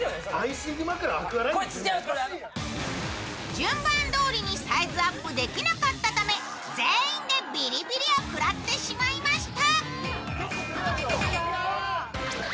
順番どおりにサイズアップできなかったため全員でビリビリをくらってしまいました。